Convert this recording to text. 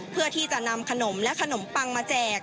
เพื่อที่จะนำขนมและขนมปังมาแจก